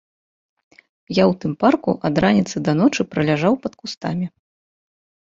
Я ў тым парку ад раніцы да ночы праляжаў пад кустамі.